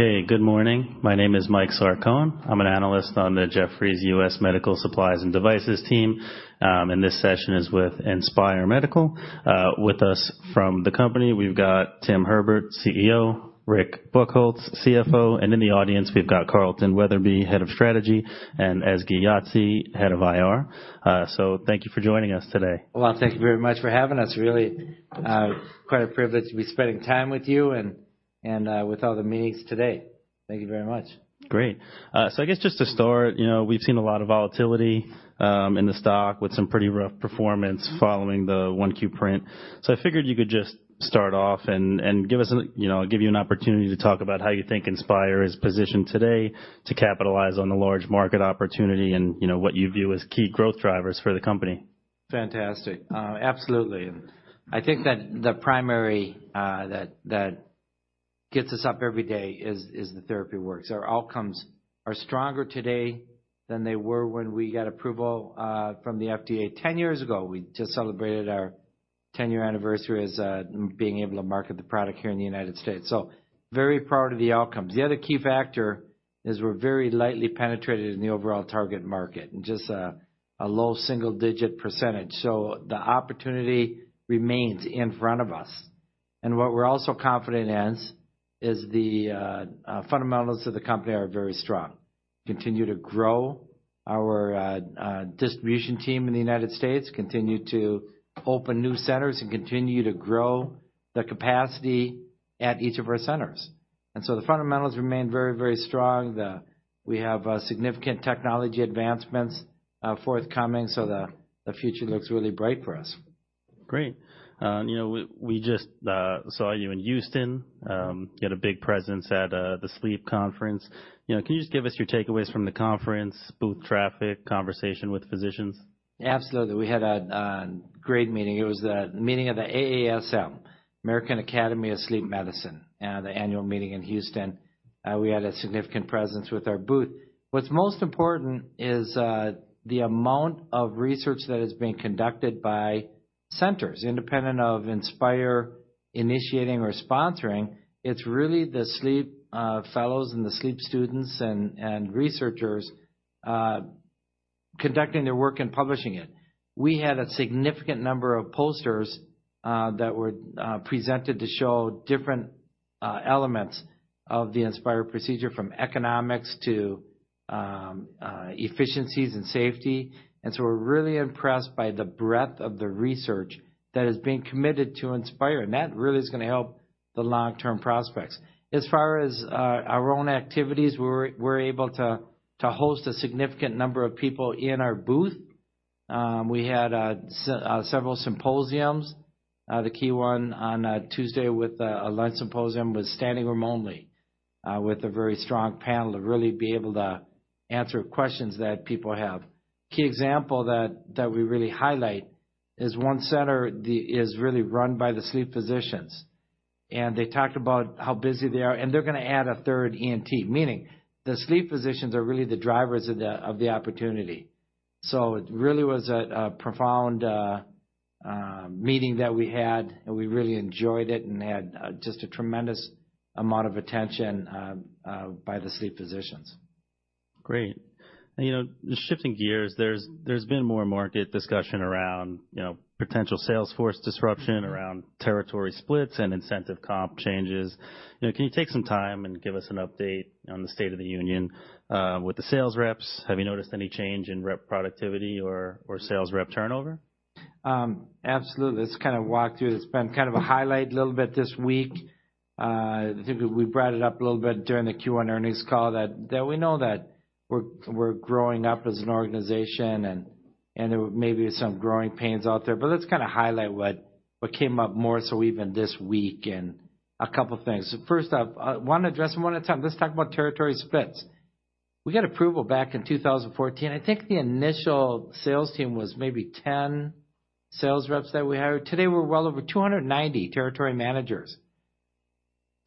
Okay, good morning. My name is Mike Sarcone. I'm an analyst on the Jefferies U.S. Medical Supplies and Devices team, and this session is with Inspire Medical. With us from the company, we've got Tim Herbert, CEO, Rick Buchholz, CFO, and in the audience, we've got Carlton Weatherby, Head of Strategy, and Ezgi Yagci, Head of IR. So thank you for joining us today. Well, thank you very much for having us. Really, quite a privilege to be spending time with you and, and, with all the meetings today. Thank you very much. Great. So I guess just to start, you know, we've seen a lot of volatility in the stock with some pretty rough performance following the 1Q print. So I figured you could just start off and give you an opportunity to talk about how you think Inspire is positioned today to capitalize on the large market opportunity and, you know, what you view as key growth drivers for the company. Fantastic. Absolutely. I think that the primary that gets us up every day is the therapy works. Our outcomes are stronger today than they were when we got approval from the FDA 10 years ago. We just celebrated our 10-year anniversary as being able to market the product here in the United States, so very proud of the outcomes. The other key factor is we're very lightly penetrated in the overall target market, and just a low single-digit percent. So the opportunity remains in front of us. And what we're also confident in is the fundamentals of the company are very strong. Continue to grow our distribution team in the United States, continue to open new centers, and continue to grow the capacity at each of our centers. And so the fundamentals remain very, very strong. The... We have significant technology advancements forthcoming, so the future looks really bright for us. Great. You know, we just saw you in Houston. You had a big presence at the sleep conference. You know, can you just give us your takeaways from the conference, booth traffic, conversation with physicians? Absolutely. We had a great meeting. It was the meeting of the AASM, American Academy of Sleep Medicine, the annual meeting in Houston. We had a significant presence with our booth. What's most important is, the amount of research that is being conducted by centers, independent of Inspire, initiating or sponsoring. It's really the sleep fellows and the sleep students and researchers conducting their work and publishing it. We had a significant number of posters that were presented to show different elements of the Inspire procedure, from economics to efficiencies and safety. And so we're really impressed by the breadth of the research that is being committed to Inspire, and that really is gonna help the long-term prospects. As far as our own activities, we were able to host a significant number of people in our booth. We had several symposiums. The key one on Tuesday with a lunch symposium was standing room only with a very strong panel to really be able to answer questions that people have. Key example that we really highlight is one center that is really run by the sleep physicians, and they talked about how busy they are, and they're gonna add a third ENT. Meaning, the sleep physicians are really the drivers of the opportunity. So it really was a profound meeting that we had, and we really enjoyed it and had just a tremendous amount of attention by the sleep physicians. Great. And, you know, shifting gears, there's been more market discussion around, you know, potential sales force disruption around territory splits and incentive comp changes. You know, can you take some time and give us an update on the state of the union with the sales reps? Have you noticed any change in rep productivity or sales rep turnover? Absolutely. Let's kind of walk through. It's been kind of a highlight a little bit this week. I think we brought it up a little bit during the Q1 earnings call, that, that we know that we're, we're growing up as an organization and, and there may be some growing pains out there. But let's kinda highlight what, what came up more so even this week, and a couple things. First off, I want to address them one at a time. Let's talk about territory splits. We got approval back in 2014. I think the initial sales team was maybe 10 sales reps that we hired. Today, we're well over 290 territory managers.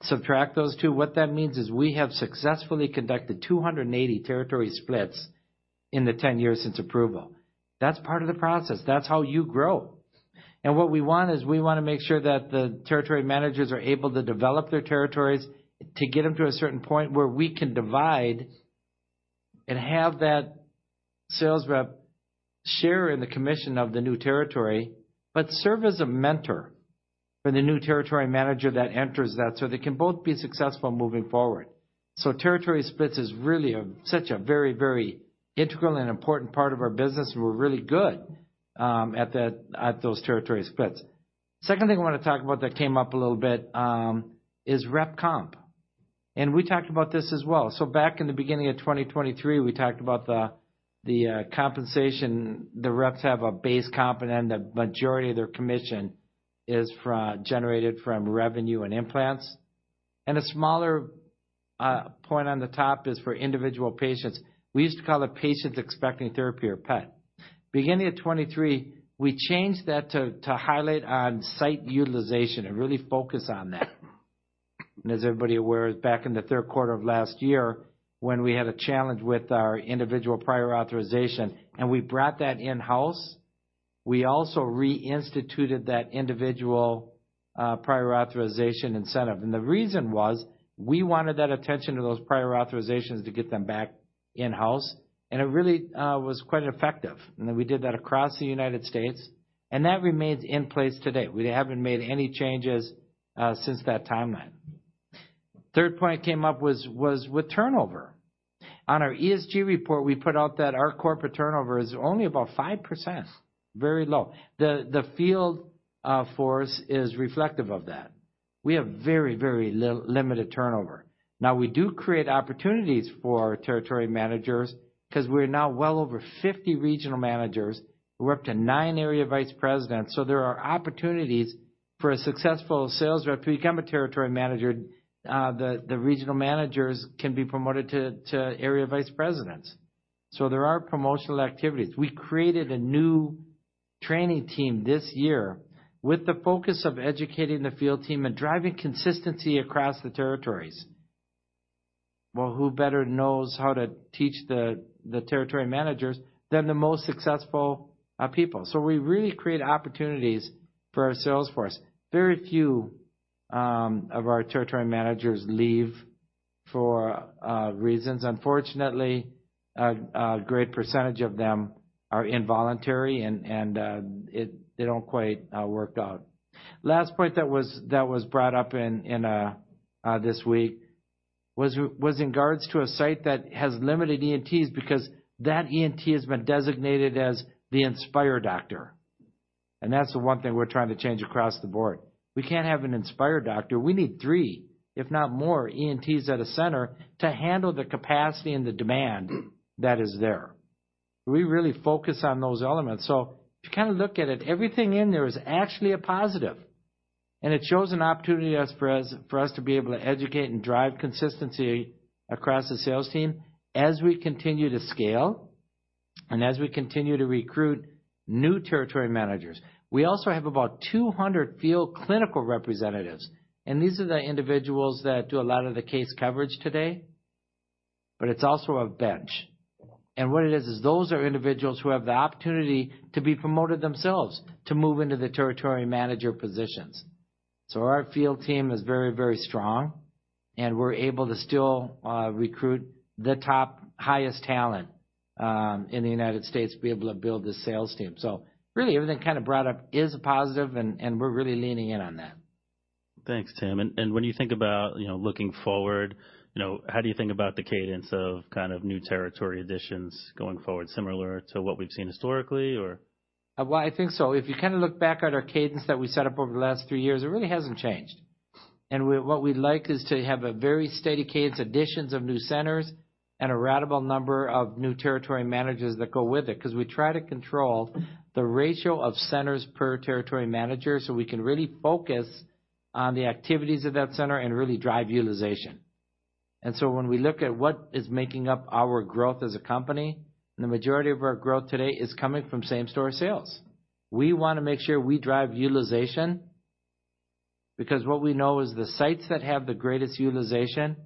Subtract those two, what that means is we have successfully conducted 280 territory splits in the 10 years since approval. That's part of the process. That's how you grow. And what we want is, we wanna make sure that the territory managers are able to develop their territories to get them to a certain point where we can divide and have that sales rep share in the commission of the new territory, but serve as a mentor for the new territory manager that enters that, so they can both be successful moving forward. So territory splits is really such a very, very integral and important part of our business, and we're really good at those territory splits. Second thing I wanna talk about that came up a little bit is rep comp, and we talked about this as well. So back in the beginning of 2023, we talked about the compensation. The reps have a base comp, and then the majority of their commission is generated from revenue and implants. And a smaller point on the top is for individual patients. We used to call it Patients Expecting Therapy, or PET. Beginning of 2023, we changed that to highlight on-site utilization and really focus on that. And as everybody is aware, back in the third quarter of last year, when we had a challenge with our individual prior authorization and we brought that in-house. We also reinstituted that individual prior authorization incentive. And the reason was, we wanted that attention to those prior authorizations to get them back in-house, and it really was quite effective. And then we did that across the United States, and that remains in place today. We haven't made any changes since that timeline. Third point came up was with turnover. On our ESG report, we put out that our corporate turnover is only about 5%, very low. The field force is reflective of that. We have very, very limited turnover. Now, we do create opportunities for our territory managers because we're now well over 50 regional managers. We're up to nine area vice presidents. So there are opportunities for a successful sales rep to become a territory manager, the regional managers can be promoted to area vice presidents. So there are promotional activities. We created a new training team this year with the focus of educating the field team and driving consistency across the territories. Well, who better knows how to teach the territory managers than the most successful people? So we really create opportunities for our sales force. Very few of our territory managers leave for reasons. Unfortunately, a great percentage of them are involuntary and they don't quite work out. Last point that was brought up in this week was in regards to a site that has limited ENTs because that ENT has been designated as the Inspire doctor, and that's the one thing we're trying to change across the board. We can't have an Inspire doctor. We need three, if not more, ENTs at a center to handle the capacity and the demand that is there. We really focus on those elements. So if you kinda look at it, everything in there is actually a positive, and it shows an opportunity for us to be able to educate and drive consistency across the sales team as we continue to scale and as we continue to recruit new territory managers. We also have about 200 field clinical representatives, and these are the individuals that do a lot of the case coverage today, but it's also a bench. And what it is, is those are individuals who have the opportunity to be promoted themselves to move into the territory manager positions. So our field team is very, very strong, and we're able to still recruit the top, highest talent in the United States, to be able to build the sales team. So really, everything kind of brought up is a positive, and we're really leaning in on that. Thanks, Tim. And when you think about, you know, looking forward, you know, how do you think about the cadence of kind of new territory additions going forward, similar to what we've seen historically or? Well, I think so. If you kind of look back at our cadence that we set up over the last three years, it really hasn't changed. And what we'd like is to have a very steady cadence, additions of new centers and a ratable number of new territory managers that go with it, 'cause we try to control the ratio of centers per territory manager, so we can really focus on the activities of that center and really drive utilization. And so when we look at what is making up our growth as a company, the majority of our growth today is coming from same-store sales. We want to make sure we drive utilization, because what we know is the sites that have the greatest utilization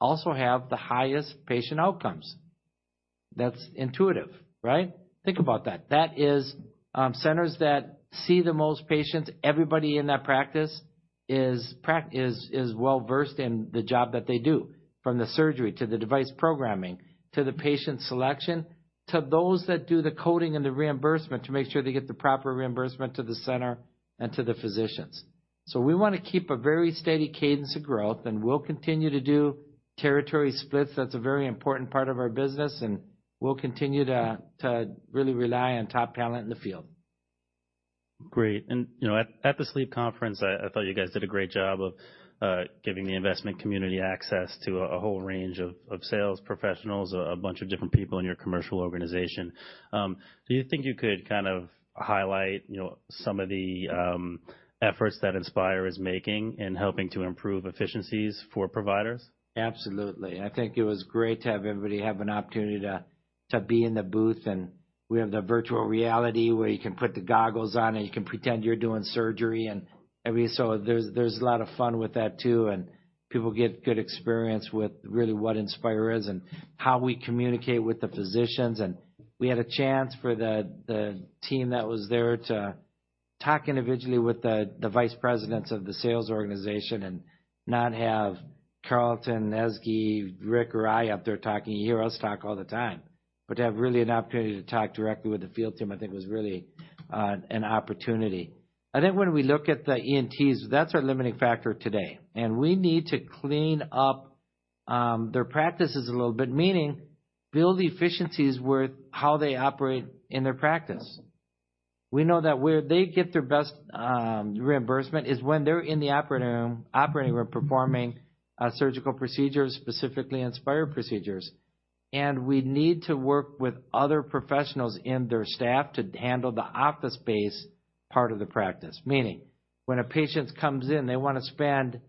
also have the highest patient outcomes. That's intuitive, right? Think about that. That is, centers that see the most patients, everybody in that practice is well-versed in the job that they do, from the surgery to the device programming, to the patient selection, to those that do the coding and the reimbursement, to make sure they get the proper reimbursement to the center and to the physicians. So we want to keep a very steady cadence of growth, and we'll continue to do territory splits. That's a very important part of our business, and we'll continue to really rely on top talent in the field. Great. And, you know, at the Sleep conference, I thought you guys did a great job of giving the investment community access to a whole range of sales professionals, a bunch of different people in your commercial organization. Do you think you could kind of highlight, you know, some of the efforts that Inspire is making in helping to improve efficiencies for providers? Absolutely. I think it was great to have everybody have an opportunity to be in the booth, and we have the virtual reality, where you can put the goggles on, and you can pretend you're doing surgery and everything. So there's a lot of fun with that, too, and people get good experience with really what Inspire is and how we communicate with the physicians. And we had a chance for the team that was there to talk individually with the vice presidents of the sales organization and not have Carlton, Ezgi, Rick, or I out there talking. You hear us talk all the time. But to have really an opportunity to talk directly with the field team, I think was really an opportunity. I think when we look at the ENTs, that's our limiting factor today, and we need to clean up their practices a little bit, meaning build efficiencies with how they operate in their practice. We know that where they get their best reimbursement is when they're in the operating room performing surgical procedures, specifically Inspire procedures. And we need to work with other professionals in their staff to handle the office-based part of the practice. Meaning, when a patient comes in, they want to spend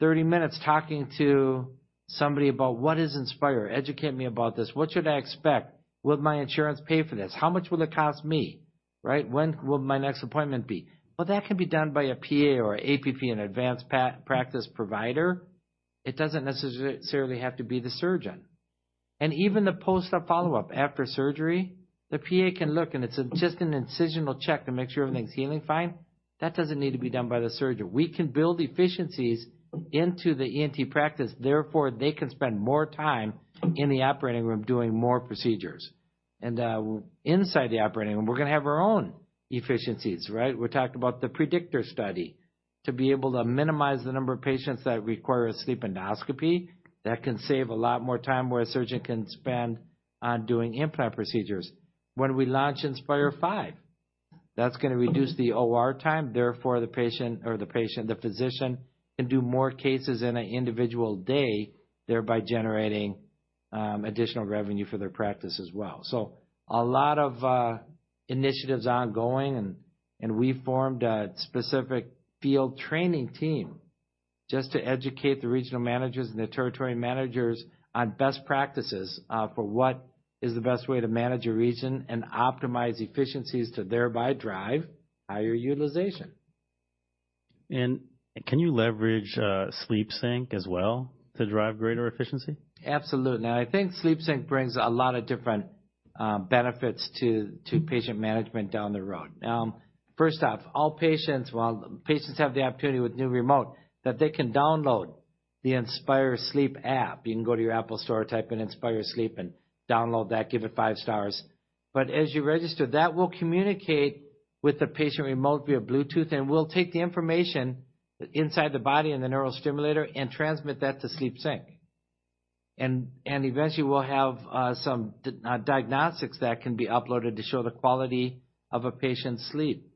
30 minutes talking to somebody about: What is Inspire? Educate me about this. What should I expect? Will my insurance pay for this? How much will it cost me? Right. When will my next appointment be? Well, that can be done by a PA or APP, an advanced practice provider. It doesn't necessarily have to be the surgeon. And even the post-op follow-up after surgery, the PA can look, and it's just an incisional check to make sure everything's healing fine. That doesn't need to be done by the surgeon. We can build efficiencies into the ENT practice, therefore, they can spend more time in the operating room doing more procedures. And, inside the operating room, we're gonna have our own efficiencies, right? We talked about the PREDICTOR study, to be able to minimize the number of patients that require a sleep endoscopy. That can save a lot more time, where a surgeon can spend on doing implant procedures. When we launch Inspire V, that's gonna reduce the OR time, therefore, the patient or the patient- the physician can do more cases in an individual day, thereby generating, additional revenue for their practice as well. A lot of initiatives are ongoing, and we've formed a specific field training team just to educate the regional managers and the territory managers on best practices for what is the best way to manage a region and optimize efficiencies to thereby drive higher utilization. Can you leverage SleepSync as well to drive greater efficiency? Absolutely. Now, I think SleepSync brings a lot of different benefits to patient management down the road. First off, well, patients have the opportunity with new remote, that they can download the Inspire Sleep app. You can go to your Apple Store, type in Inspire Sleep, and download that, give it five stars. But as you register, that will communicate with the patient remotely via Bluetooth, and we'll take the information inside the body and the neurostimulator and transmit that to SleepSync. And eventually, we'll have some diagnostics that can be uploaded to show the quality of a patient's sleep.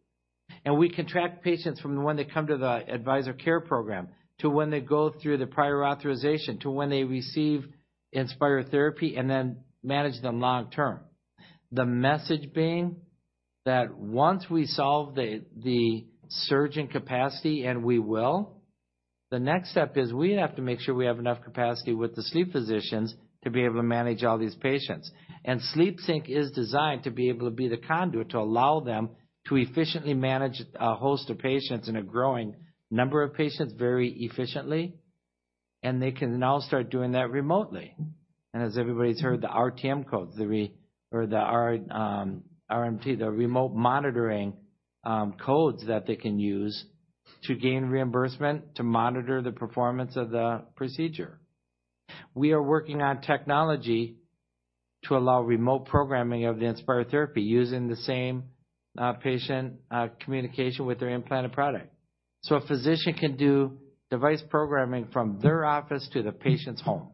And we can track patients from when they come to the Advisor Care Program, to when they go through the prior authorization, to when they receive Inspire therapy and then manage them long term. The message being, that once we solve the surgeon capacity, and we will, the next step is we have to make sure we have enough capacity with the sleep physicians to be able to manage all these patients. And SleepSync is designed to be able to be the conduit to allow them to efficiently manage a host of patients and a growing number of patients, very efficiently. And they can now start doing that remotely. And as everybody's heard, the RTM codes, the remote monitoring codes that they can use to gain reimbursement to monitor the performance of the procedure. We are working on technology to allow remote programming of the Inspire therapy, using the same patient communication with their implanted product. So a physician can do device programming from their office to the patient's home.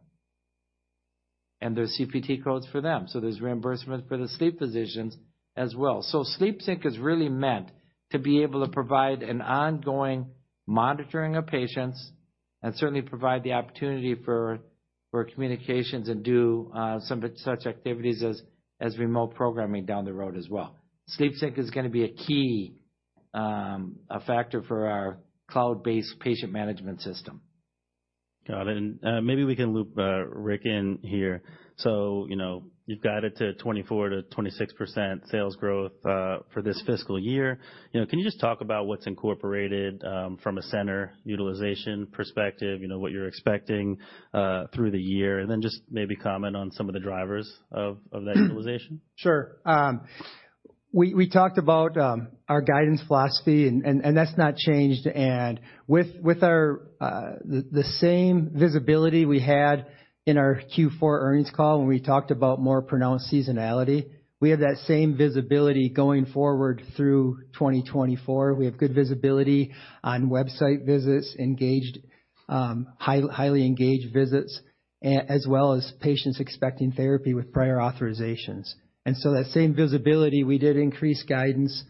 There's CPT codes for them, so there's reimbursement for the sleep physicians as well. SleepSync is really meant to be able to provide an ongoing monitoring of patients and certainly provide the opportunity for communications and do some such activities as remote programming down the road as well. SleepSync is gonna be a key factor for our cloud-based patient management system. Got it. And, maybe we can loop, Rick in here. So, you know, you've got it to 24%-26% sales growth, for this fiscal year. You know, can you just talk about what's incorporated, from a center utilization perspective, you know, what you're expecting, through the year? And then just maybe comment on some of the drivers of that utilization. Sure. We talked about our guidance philosophy, and that's not changed. And with the same visibility we had in our Q4 earnings call, when we talked about more pronounced seasonality, we have that same visibility going forward through 2024. We have good visibility on website visits, engaged, highly engaged visits, as well as patients expecting therapy with prior authorizations. And so that same visibility, we did increase guidance,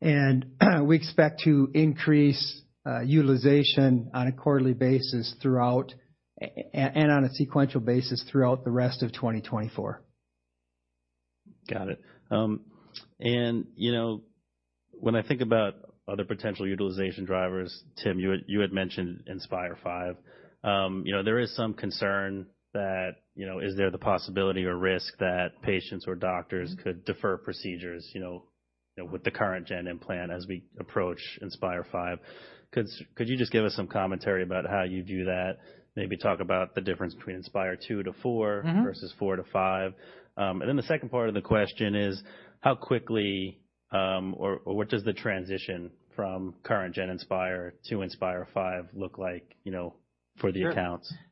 and we expect to increase utilization on a quarterly basis throughout and on a sequential basis throughout the rest of 2024. Got it. And you know, when I think about other potential utilization drivers, Tim, you had mentioned Inspire V. You know, there is some concern that, you know, is there the possibility or risk that patients or doctors could defer procedures, you know, with the current gen implant as we approach Inspire V? Could you just give us some commentary about how you do that? Maybe talk about the difference between Inspire II to IV- Mm-hmm. - versus 4-5. And then the second part of the question is, how quickly, or what does the transition from current gen Inspire to Inspire V look like, you know, for the accounts? Sure.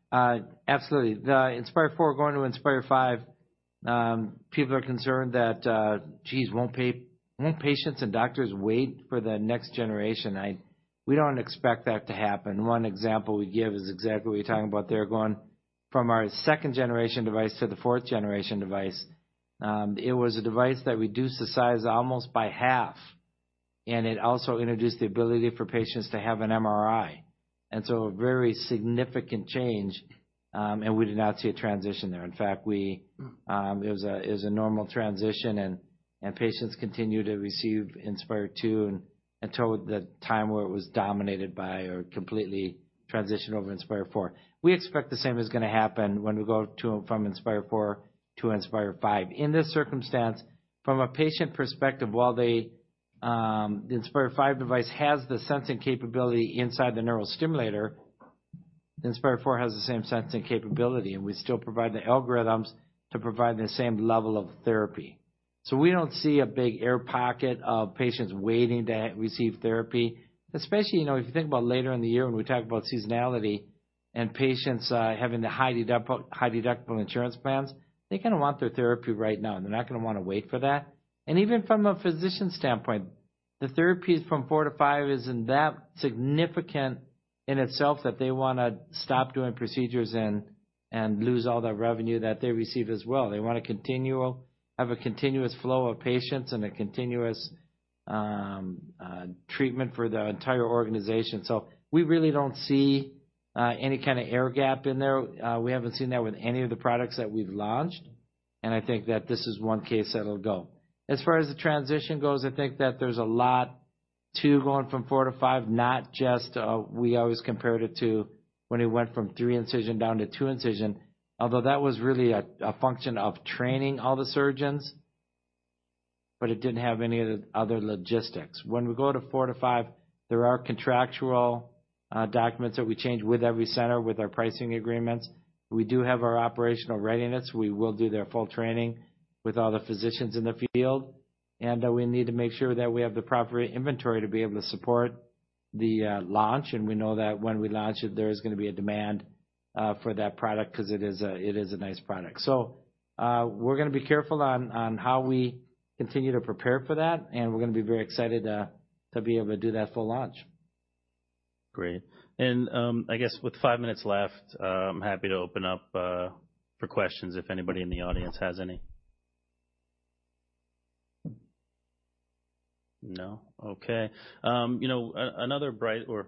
Absolutely. The Inspire IV going to Inspire V, people are concerned that, geez, won't patients and doctors wait for the next generation? We don't expect that to happen. One example we give is exactly what you're talking about there. Going from our second-generation device to the fourth-generation device. It was a device that reduced the size almost by half, and it also introduced the ability for patients to have an MRI. And so a very significant change, and we did not see a transition there. In fact, it was a normal transition, and patients continued to receive Inspire II until the time where it was dominated by or completely transitioned over to Inspire IV. We expect the same is gonna happen when we go from Inspire IV to Inspire V. In this circumstance, from a patient perspective, the Inspire V device has the sensing capability inside the neurostimulator. Inspire IV has the same sensing capability, and we still provide the algorithms to provide the same level of therapy. So we don't see a big air pocket of patients waiting to receive therapy, especially, you know, if you think about later in the year when we talk about seasonality and patients having the high deductible insurance plans, they kinda want their therapy right now, and they're not gonna wanna wait for that. And even from a physician standpoint, the therapies from four to five isn't that significant in itself that they wanna stop doing procedures and lose all the revenue that they receive as well. They wanna have a continuous flow of patients and a continuous treatment for the entire organization. So we really don't see any kind of air gap in there. We haven't seen that with any of the products that we've launched, and I think that this is one case that'll go. As far as the transition goes, I think that there's a lot to going from four to five, not just we always compared it to when it went from three incision down to two incision. Although that was really a function of training all the surgeons, but it didn't have any of the other logistics. When we go to four to five, there are contractual documents that we change with every center with our pricing agreements. We do have our operational readiness. We will do their full training with all the physicians in the field, and we need to make sure that we have the proper inventory to be able to support the launch. We know that when we launch it, there is gonna be a demand for that product 'cause it is a nice product. We're gonna be careful on how we continue to prepare for that, and we're gonna be very excited to be able to do that full launch. Great. And, I guess with five minutes left, I'm happy to open up for questions if anybody in the audience has any. No? Okay. You know, another bright spot,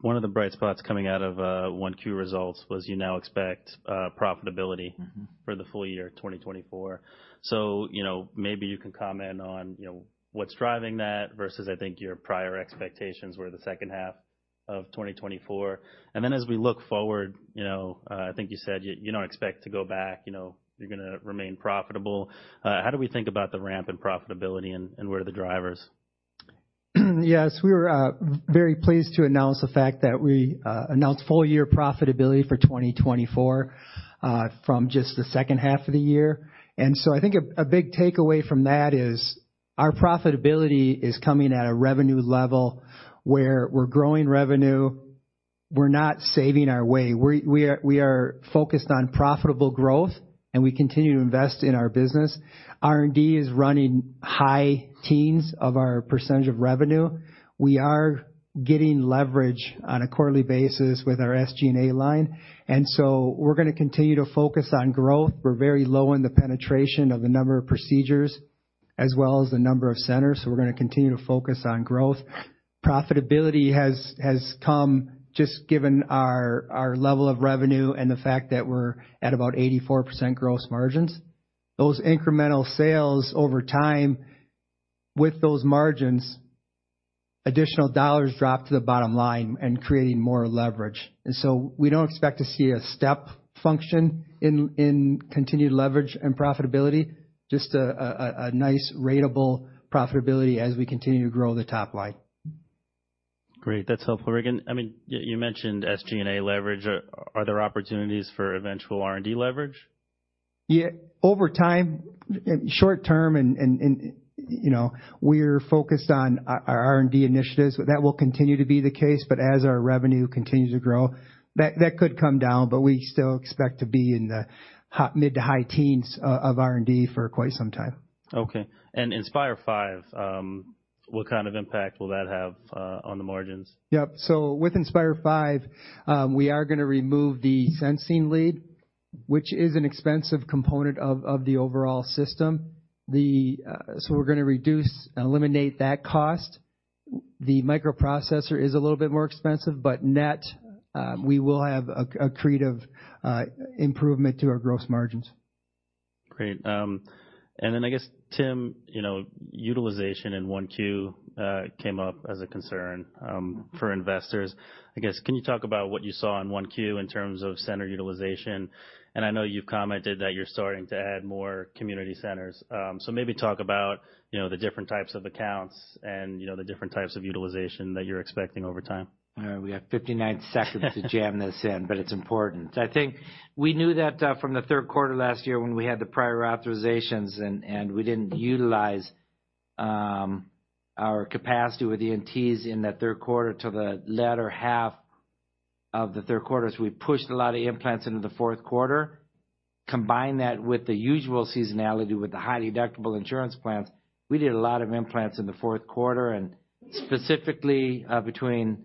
one of the bright spots coming out of 1Q results was you now expect profitability- Mm-hmm. - for the full year 2024. So, you know, maybe you can comment on, you know, what's driving that versus, I think, your prior expectations were the second half of 2024. And then as we look forward, you know, I think you said you don't expect to go back, you know, you're gonna remain profitable. How do we think about the ramp in profitability and what are the drivers? Yes, we were very pleased to announce the fact that we announced full year profitability for 2024 from just the second half of the year. So I think a big takeaway from that is our profitability is coming at a revenue level where we're growing revenue. We're not saving our way. We are focused on profitable growth, and we continue to invest in our business. R&D is running high teens percentage of revenue. We are getting leverage on a quarterly basis with our SG&A line, and so we're gonna continue to focus on growth. We're very low in the penetration of the number of procedures as well as the number of centers, so we're gonna continue to focus on growth. Profitability has come just given our level of revenue and the fact that we're at about 84% gross margins. Those incremental sales over time, with those margins, additional dollars drop to the bottom line and creating more leverage. And so we don't expect to see a step function in continued leverage and profitability, just a nice ratable profitability as we continue to grow the top line. Great, that's helpful, Rick. I mean, you mentioned SG&A leverage. Are there opportunities for eventual R&D leverage? Yeah, over time, short term and, you know, we're focused on our R&D initiatives. That will continue to be the case, but as our revenue continues to grow, that could come down, but we still expect to be in the mid- to high teens of R&D for quite some time. Okay. Inspire V, what kind of impact will that have on the margins? Yep. So with Inspire V, we are gonna remove the sensing lead, which is an expensive component of the overall system. So we're gonna reduce and eliminate that cost. The microprocessor is a little bit more expensive, but net, we will have a creative improvement to our gross margins. Great. And then I guess, Tim, you know, utilization in 1Q came up as a concern for investors. I guess, can you talk about what you saw in 1Q in terms of center utilization? And I know you've commented that you're starting to add more community centers. So maybe talk about, you know, the different types of accounts and, you know, the different types of utilization that you're expecting over time. All right. We have 59 seconds to jam this in, but it's important. I think we knew that from the third quarter last year when we had the prior authorizations and we didn't utilize our capacity with the ENTs in that third quarter till the latter half of the third quarter. So we pushed a lot of implants into the fourth quarter. Combine that with the usual seasonality, with the high deductible insurance plans, we did a lot of implants in the fourth quarter, and specifically between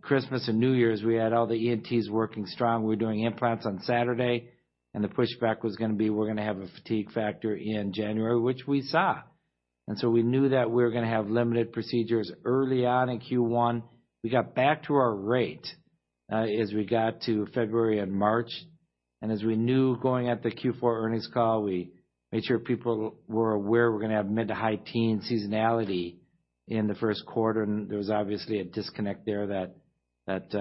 Christmas and New Year's, we had all the ENTs working strong. We were doing implants on Saturday, and the pushback was gonna be: We're gonna have a fatigue factor in January, which we saw. And so we knew that we were gonna have limited procedures early on in Q1. We got back to our rate, as we got to February and March, and as we knew going at the Q4 earnings call, we made sure people were aware we're gonna have mid- to high-teens seasonality in the first quarter, and there was obviously a disconnect there that, that,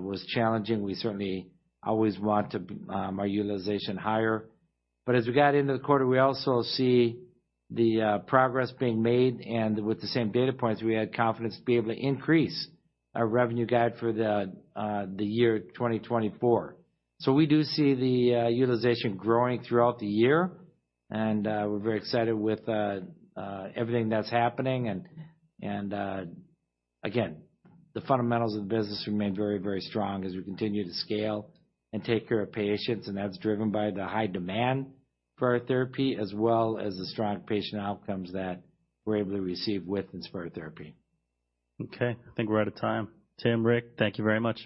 was challenging. We certainly always want to, our utilization higher. But as we got into the quarter, we also see the, progress being made, and with the same data points, we had confidence to be able to increase our revenue guide for the, the year 2024. So we do see the, utilization growing throughout the year, and, we're very excited with, everything that's happening. Again, the fundamentals of the business remain very, very strong as we continue to scale and take care of patients, and that's driven by the high demand for our therapy as well as the strong patient outcomes that we're able to receive with Inspire therapy. Okay, I think we're out of time. Tim, Rick, thank you very much.